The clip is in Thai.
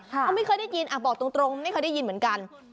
เขาไม่เคยได้ยินบอกตรงไม่เคยได้ยินเหมือนกัน